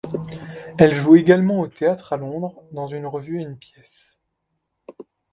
Elle joue également au théâtre à Londres, dans une revue et une pièce.